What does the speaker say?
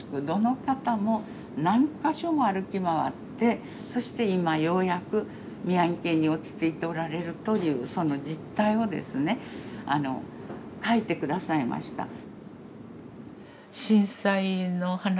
どの方も何か所も歩き回ってそして今ようやく宮城県に落ち着いておられるというその実態をですね書いて下さいました。